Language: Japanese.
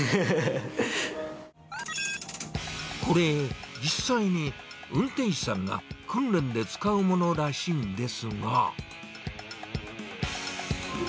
これ、実際に運転士さんが訓練で使うものらしいんですが。